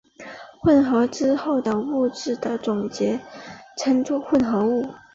混合以后的物质的总体称作混合物。